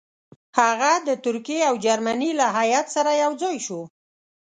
هغه د ترکیې او جرمني له هیات سره یو ځای شو.